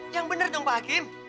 yang benar dong pak hakim